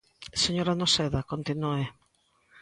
Señora Noceda, continúe.